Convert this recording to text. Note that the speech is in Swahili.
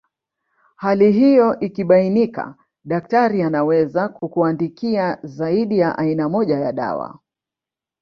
Hali hiyo ikibainika daktari anaweza kukuandikia zaidi ya aina moja ya dawa